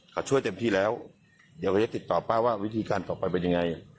เขาช่วยเต็มที่แล้วเดี๋ยวเขาจะติดต่อป้าว่าวิธีการต่อไปเป็นยังไง